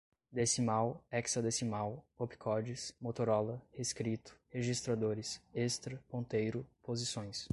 decimal, hexadecimal, opcodes, motorola, reescrito, registradores, extra, ponteiro, posições